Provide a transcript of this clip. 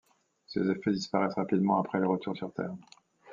Ces effets disparaissent rapidement après le retour sur Terre.